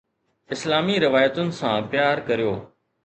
اسلامي روايتن سان پيار ڪريو